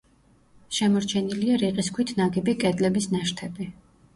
შემორჩენილია რიყის ქვით ნაგები კედლების ნაშთები.